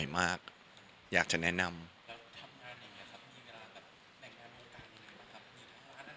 แล้วทำงานยังไงมีเวลาแต่แต่งในอาโมการณ์เที่ยวเหล่าครับ